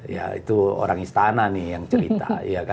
ya itu orang istana nih yang cerita